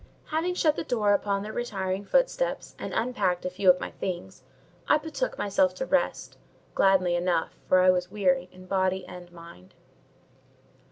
Having shut the door upon their retiring footsteps, and unpacked a few of my things, I betook myself to rest; gladly enough, for I was weary in body and mind.